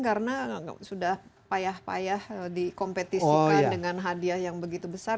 karena sudah payah payah dikompetisikan dengan hadiah yang begitu besar